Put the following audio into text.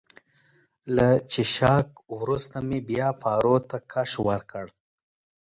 له څښاکه وروسته مې بیا پارو ته کش ورکړ.